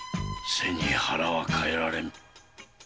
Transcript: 背に腹はかえられぬ。